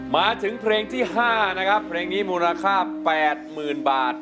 มาถึงเพลงที่๕นะครับเพลงนี้มูลค่า๘๐๐๐บาท